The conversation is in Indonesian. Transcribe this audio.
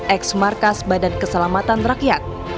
ex markas badan keselamatan rakyat